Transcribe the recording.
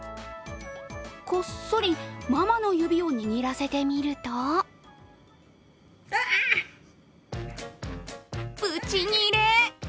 こっそりママの指を握らせてみるとブチギレ！